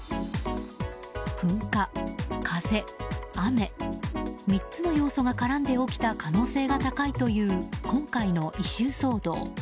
噴火、風、雨３つの要素が絡んで起きた可能性が高いという今回の異臭騒動。